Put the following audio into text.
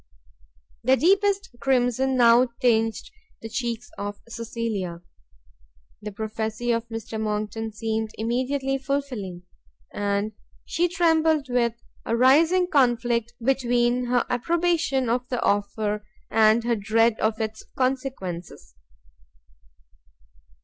The deepest crimson now tinged the cheeks of Cecilia; the prophecy of Mr Monckton seemed immediately fulfilling, and she trembled with a rising conflict between her approbation of the offer, and her dread of its consequences.